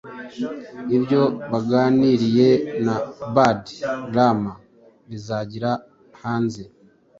ibyo baganiriye na bad rama bizagira hanze